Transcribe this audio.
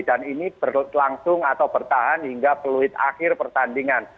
dan ini berlangsung atau bertahan hingga peluit akhir pertandingan